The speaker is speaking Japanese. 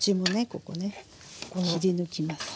ここね切り抜きます。